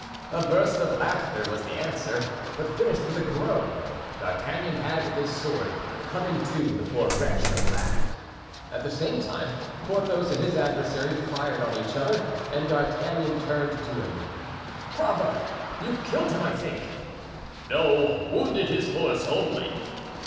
A burst of laughter was the answer, but finished with a groan. D'Artagnan had, with his sword, cut in two the poor wretch who had laughed. At the same time Porthos and his adversary fired on each other and D'Artagnan turned to him. "Bravo! you've killed him, I think." "No, wounded his horse only."